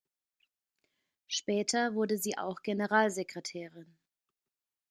Später wurde sie auch Generalsekretärin.